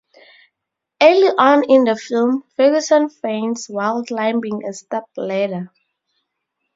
Early on in the film, Ferguson faints while climbing a stepladder.